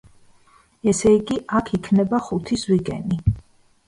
ესე იგი, აქ იქნება ხუთი ზვიგენი.